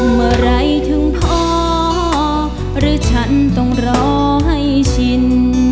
เมื่อไหร่ถึงพอหรือฉันต้องรอให้ชิน